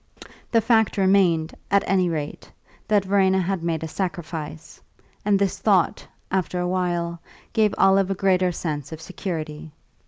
The fact remained, at any rate, that Verena had made a sacrifice; and this thought, after a while, gave Olive a greater sense of security.